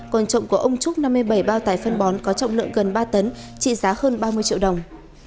còn trộm của ông trúc năm mươi bảy bao tải phân bón có trọng lượng gần ba tấn trị giá hơn ba mươi triệu đồng